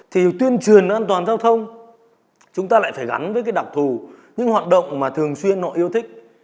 thì tuyên truyền an toàn giao thông chúng ta lại phải gắn với cái đặc thù những hoạt động mà thường xuyên họ yêu thích